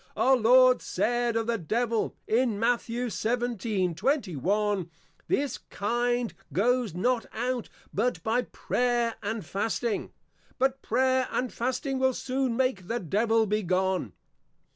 Our Lord said of the Devil in Matt. 17.21. This Kind goes not out, but by Prayer and Fasting. But, Prayer and Fasting will soon make the Devil be gone.